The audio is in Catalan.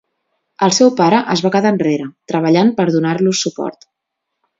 El seu pare es va quedar enrere, treballant per donar-los suport.